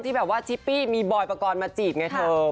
แบบว่าชิปปี้มีบอยปกรณ์มาจีบไงเธอ